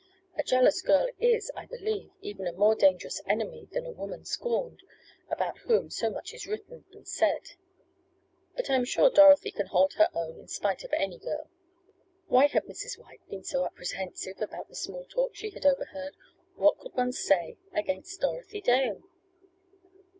A jealous girl is, I believe, even a more dangerous enemy than a woman scorned, about whom so much is written and said. But I am sure Dorothy can hold her own in spite of any girl." Why had Mrs. White been so apprehensive about the small talk she had overheard? What could any one say against Dorothy Dale?